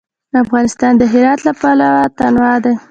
افغانستان د هرات له پلوه متنوع دی.